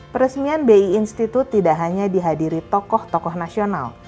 peresmian bi institute tidak hanya dihadiri tokoh tokoh nasional